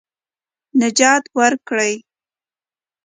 نجات ورکړي.